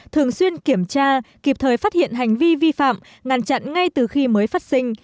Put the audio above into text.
thường xuyên kiểm tra kịp thời phát hiện hành vi vi phạm ngăn chặn ngay từ khi mới phát sinh